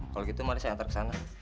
kalau gitu mari saya antar ke sana